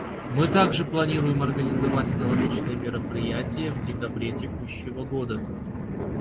Мы также планируем организовать аналогичное мероприятие в декабре текущего года.